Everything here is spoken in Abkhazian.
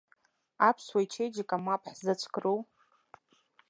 Аԥсуа ичеиџьыка мап ҳзацәкру?